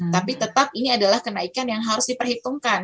tapi tetap ini adalah kenaikan yang harus diperhitungkan